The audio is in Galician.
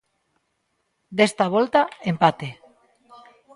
Desta volta, empate.